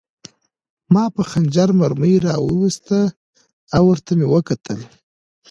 ما په خنجر مرمۍ را وویسته او ورته مې وکتل